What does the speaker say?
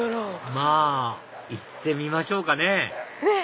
まぁ行ってみましょうかね！ねぇ！